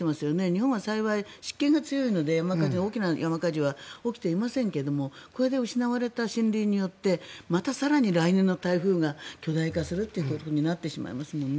日本は幸い湿気が多いので大きな山火事は起きていませんけれどこれで失われた森林によってまた更に来年の台風が巨大化するっていうことになってしまいますもんね。